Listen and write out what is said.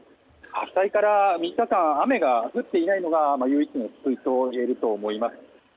発災から３日間、雨が降っていないのが唯一の救いと言えると思います。